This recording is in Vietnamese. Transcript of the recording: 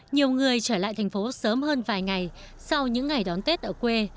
nhiều người trở lại tp hcm sớm hơn vài ngày sau những ngày đón tết ở quê